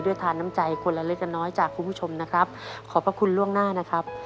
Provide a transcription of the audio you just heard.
ทานน้ำใจคนละเล็กละน้อยจากคุณผู้ชมนะครับขอบพระคุณล่วงหน้านะครับ